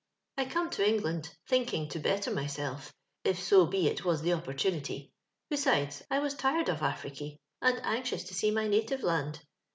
'* 1 come to England thinking to better myself, if so be it was the opportunity ; be sides, I was tired of Africy, and anxious to see my native land.